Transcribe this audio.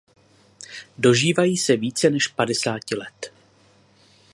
Dožívají se více než padesáti let.